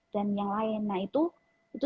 dan yang lain nah itu